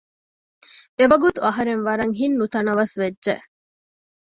އެވަގުތު އަހުރެން ވަރަށް ހިތް ނުތަނަވަސް ވެއްޖެ